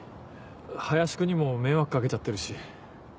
林君にも迷惑掛けちゃってるし。